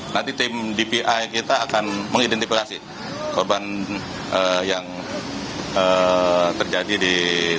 nanti tim dpi kita akan mengidentifikasi korban yang terjadi di